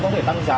có thể tăng giá